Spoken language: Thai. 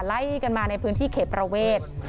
ไล่กันมาในพื้นที่เขตประเวท